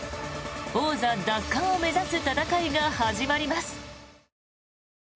王座奪還を目指す戦いが始まります。